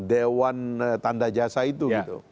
dewan tanda jasa itu